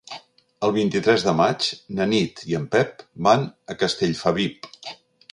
El vint-i-tres de maig na Nit i en Pep van a Castellfabib.